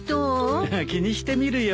気にしてみるよ。